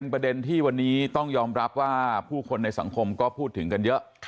ประเด็นที่วันนี้ต้องยอมรับว่าผู้คนในสังคมก็พูดถึงกันเยอะ